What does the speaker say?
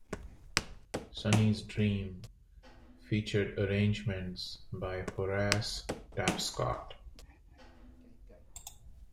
"Sonny's Dream" featured arrangements by Horace Tapscott.